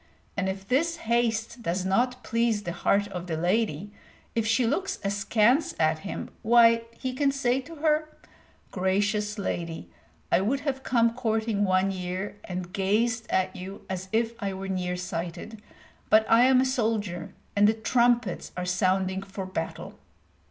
And if this haste does not please the heart of the lady, if she looks askance at him, why, he can say to her, "Gracious lady, I would have come courting one year, and gazed at you as if I were near sighted; but I am a soldier, and the trumpets are sounding for battle!"